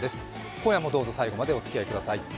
今夜もどうぞ最後までおつきあいください。